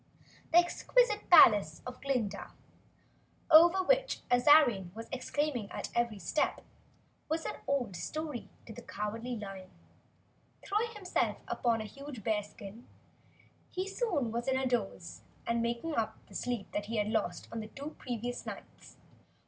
The exquisite palace of Glinda, over which Azarine was exclaiming at every step, was an old story to the Cowardly Lion. Throwing himself down on a huge bearskin, he soon was in a doze and making up the sleep he had lost on the two, previous nights.